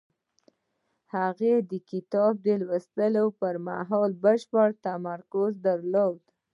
هغه د کتاب لوستلو پر مهال بشپړ تمرکز درلود.